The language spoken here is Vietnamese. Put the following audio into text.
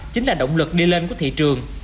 chính là động lực đi lên của thị trường